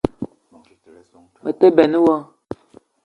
Me te benn wo